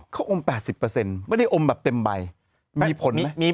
เขาอม๘๐ไม่ได้อมแบบเต็มใบมีผลไหม